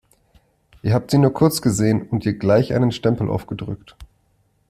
Ihr habt sie nur kurz gesehen und ihr gleich einen Stempel aufgedrückt.